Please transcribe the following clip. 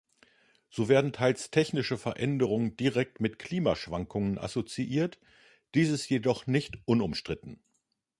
So werden teils technische Veränderungen direkt mit Klimaschwankungen assoziiert, dies ist jedoch nicht unumstritten.